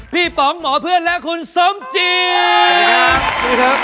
ป๋องหมอเพื่อนและคุณสมจิต